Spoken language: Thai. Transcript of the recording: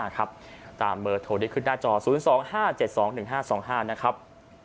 ๐๒๕๗๒๑๕๒๕ครับตามเบอร์โทรได้ขึ้นหน้าจอ๐๒๕๗๒๑๕๒๕นะครับ